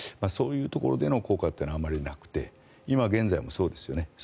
そういうところでの効果というのはあまりなくて今現在もそうですよね。